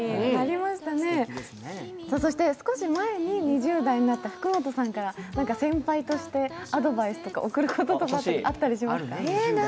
そして少し前に２０代になった福本さんから先輩としてアドバイスとか贈る言葉とかあったりしますか？